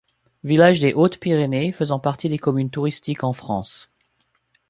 Villages des Hautes-Pyrénées faisant parties des communes touristiques en France.